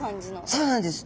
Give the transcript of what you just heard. そうなんです。